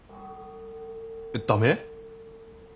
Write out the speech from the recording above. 駄目？